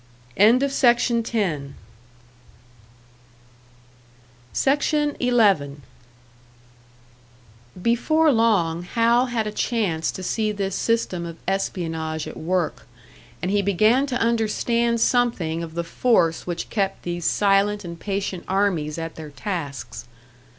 SECTION 11. Before long Hal had a chance to see this system of espionage at work, and he began to understand something of the force which kept these silent and patient armies at their tasks.